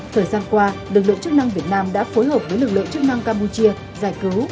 thời gian qua lực lượng chức năng việt nam đã phối hợp với lực lượng chức năng campuchia giải cứu